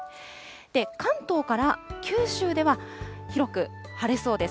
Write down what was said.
関東から九州では、広く晴れそうです。